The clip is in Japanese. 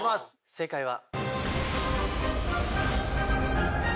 正解は。